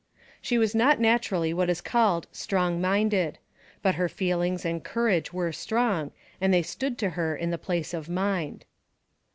She was not naturally what is called strong minded; but her feelings and courage were strong, and they stood to her in the place of mind.